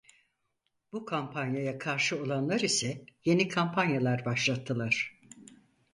Bu kampanyaya karşı olanlar ise yeni kampanyalar başlattılar.